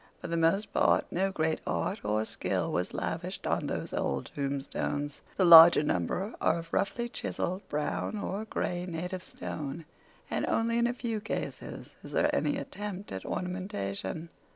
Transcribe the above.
For the most part no great art or skill was lavished on those old tombstones. The larger number are of roughly chiselled brown or gray native stone, and only in a few cases is there any attempt at ornamentation.